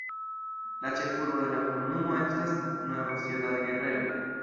La ĉefurbo de la komunumo estas Nueva Ciudad Guerrero.